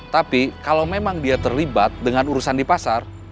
tapi kalau memang dia terlibat dengan urusan di pasar